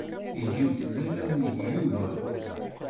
Gemt laman deg Yuba.